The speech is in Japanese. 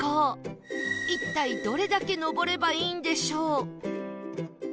一体どれだけ上ればいいんでしょう？